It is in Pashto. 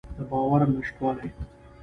د باور نشتوالی.